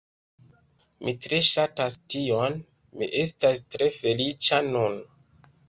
Mi tre ŝatas tion, mi estas tre feliĉa nun